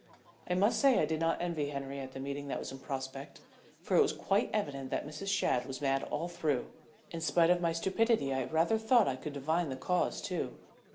I must say I did not envy Henriette the meeting that was in prospect, for it was quite evident that Mrs. Shadd was mad all through. In spite of my stupidity I rather thought I could divine the cause too.